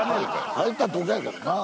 入ったとこやけどなぁ。